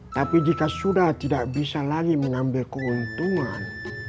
tapi jika sudah tidak bisa lagi mengambil keuntungan